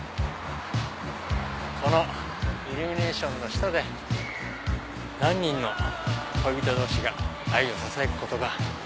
このイルミネーションの下で何人の恋人同士が愛をささやくことか。